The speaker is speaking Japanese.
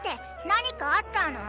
何かあったの？